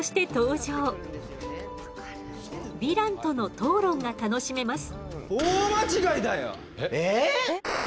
ヴィランとの討論が楽しめます。